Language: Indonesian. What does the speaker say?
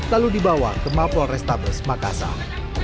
lalu dibawa ke mapol restabes makassar